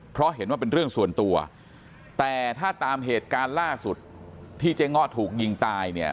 เพราะเห็นว่าเป็นเรื่องส่วนตัวแต่ถ้าตามเหตุการณ์ล่าสุดที่เจ๊ง้อถูกยิงตายเนี่ย